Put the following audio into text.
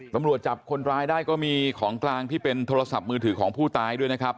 ตำรวจจับคนร้ายได้ก็มีของกลางที่เป็นโทรศัพท์มือถือของผู้ตายด้วยนะครับ